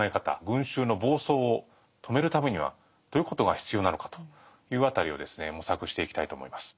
群衆の暴走を止めるためにはどういうことが必要なのかという辺りを模索していきたいと思います。